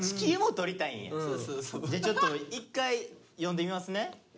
ちょっと一回読んでみますね。